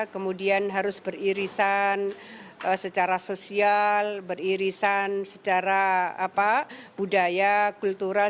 kemudian harus beririsan secara sosial beririsan secara budaya kultural